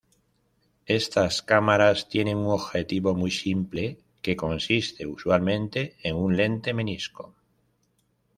Estas cámaras tiene un objetivo muy simple que consiste usualmente en un lente menisco.